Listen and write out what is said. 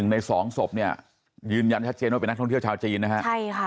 ใน๒ศพเนี่ยยืนยันชัดเจนว่าเป็นนักท่องเที่ยวชาวจีนนะฮะใช่ค่ะ